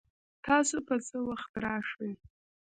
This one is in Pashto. تاسو به څه وخت راشئ؟